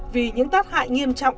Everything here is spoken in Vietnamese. vì những tác hại nghiêm trọng